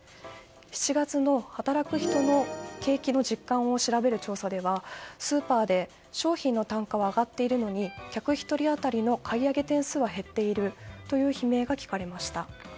７月の働く人の景気の実感を調べる調査ではスーパーで商品の単価は上がっているのに客１人当たりの買い上げ点数は減っているという悲鳴が聞かれました。